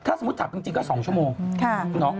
ถ้าสมมุติขับจริงก็๒ชั่วโมง